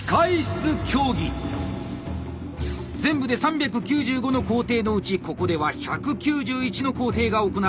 全部で３９５の工程のうちここでは１９１の工程が行われます。